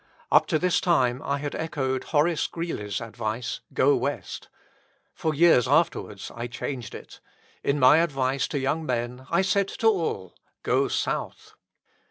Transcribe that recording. Up to this time I had echoed Horace Greeley's advice, "Go West." For years afterwards I changed it. In my advice to young men I said to all, "Go South."